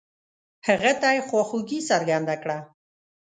هغه ته يې خواخوږي څرګنده کړه.